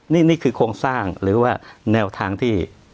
นี่คือโครงสร้างหรือว่าแนวทางที่